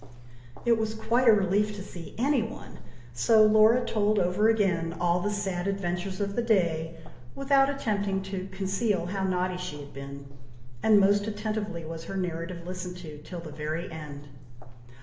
It was quite a relief to see any one; so Laura told over again all the sad adventures of the day, without attempting to conceal how naughty she had been; and most attentively was her narrative listened to, till the very end.